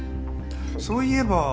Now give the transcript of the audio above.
そういえば。